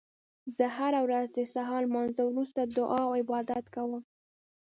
زه هره ورځ د سهار لمانځه وروسته دعا او عبادت کوم